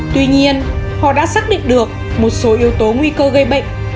tuy nhiên họ đã xác định được một số yếu tố nguy cơ gây bệnh